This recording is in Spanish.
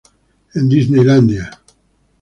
En Disneyland.